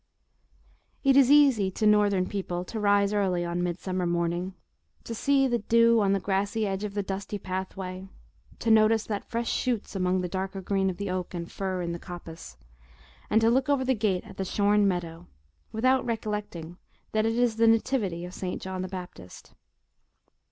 It is easy to northern people to rise early on Midsummer morning, to see the dew on the grassy edge of the dusty pathway, to notice the fresh shoots among the darker green of the oak and fir in the coppice, and to look over the gate at the shorn meadow, without recollecting that it is the Nativity of Saint John the Baptist.